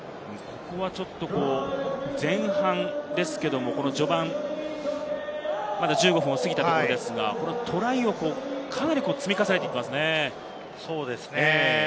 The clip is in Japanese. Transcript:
前半ですけれども序盤、１５分を過ぎたところですが、トライをかなり積み重ねてきますね。